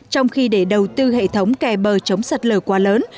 trong khi để đầu tư hệ thống kè bờ chống sạt lở quá lớn